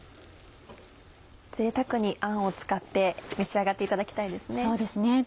贅沢にあんを使って召し上がっていただきたいですね。